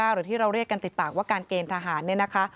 หรือที่เราเรียกกันติดปากว่าการเกณฑ์ทหารเนี่ยนะคะ